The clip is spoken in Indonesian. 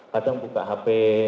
kadang buka hp